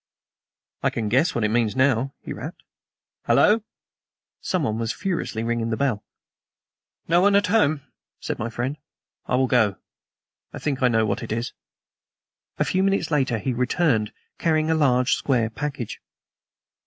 "I can guess what it means now," he rapped. "Hallo!" Someone was furiously ringing the bell. "No one at home?" said my friend. "I will go. I think I know what it is." A few minutes later he returned, carrying a large square package.